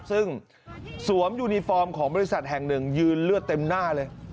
ซึ่งสวมยูนิฟอร์มของบริษัทแห่งหนึ่งยืนเลือดเต็มหน้าเลย